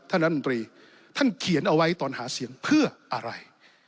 ท่านรัฐมนตรีท่านเขียนเอาไว้ตอนหาเสียงเพื่ออะไร